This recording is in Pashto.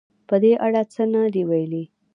په دې اړه څه نه دې ویلي